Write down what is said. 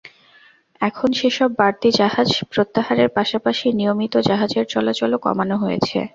এখন সেসব বাড়তি জাহাজ প্রত্যাহারের পাশাপাশি নিয়মিত জাহাজের চলাচলও কমানো হয়েছে।